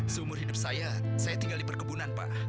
seumur hidup saya saya tinggal di perkebunan pak